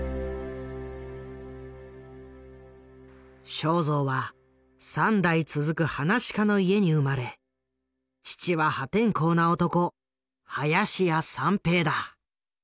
正蔵は３代続く噺家の家に生まれ父は破天荒な男林家三平だ。